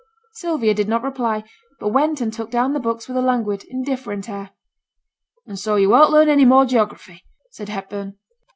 Sylvia did not reply, but went and took down the books with a languid, indifferent air. 'And so you won't learn any more geography,' said Hepburn.